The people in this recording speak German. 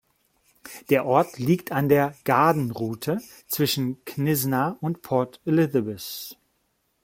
Der Ort liegt an der Garden Route zwischen Knysna und Port Elizabeth.